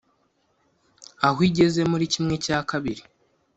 aho igeze muri ½